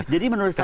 jadi menurut saya